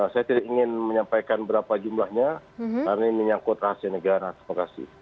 saya tidak ingin menyampaikan berapa jumlahnya karena ini menyangkut rahasia negara terima kasih